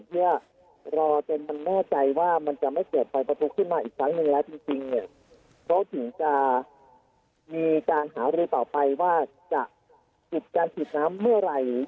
เพื่อรอจนมันแน่ใจว่ามันจะไม่เกิดไฟประทุขึ้นมาอีกครั้งหนึ่งแล้วจริงเนี่ยเขาถึงจะมีการหารือต่อไปว่าจะหยุดการฉีดน้ำเมื่อไหร่